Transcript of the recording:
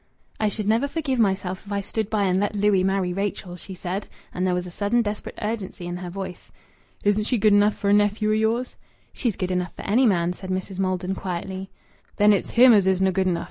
"I should never forgive myself if I stood by and let Louis marry Rachel," she said, and there was a sudden desperate urgency in her voice. "Isn't she good enough for a nephew o' yours?" "She's good enough for any man," said Mrs. Maldon quietly. "Then it's him as isna' good enough!